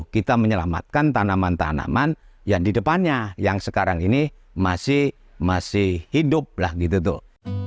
kita menyelamatkan tanaman tanaman yang di depannya yang sekarang ini masih hidup lah gitu tuh